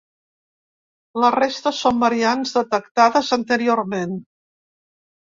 La resta són variants detectades anteriorment.